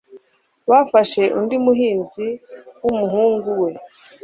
Bafashe undi muhinzi n'umuhungu we